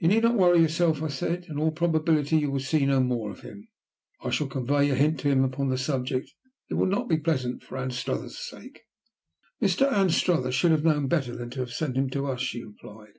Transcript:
"You need not worry yourself," I said. "In all probability you will see no more of him. I shall convey a hint to him upon the subject. It will not be pleasant for Anstruther's sake." "Mr. Anstruther should have known better than to have sent him to us," she replied.